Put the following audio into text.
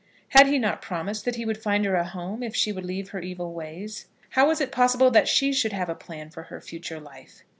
Had he not promised that he would find her a home if she would leave her evil ways? How was it possible that she should have a plan for her future life?